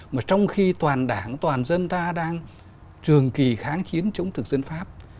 mà trong khi toàn đảng toàn dân ta đang trường kỳ kháng chiến chống thực dân pháp